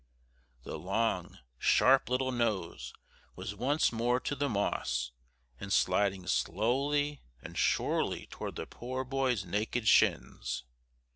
The long, sharp little nose was once more to the moss and sliding slowly and surely toward the poor boy's naked shins.